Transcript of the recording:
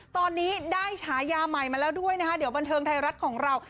ตอนนี้ได้ฉายาใหม่มาแล้วด้วยนะคะเดี๋ยวบันเทิงไทยรัฐของเรา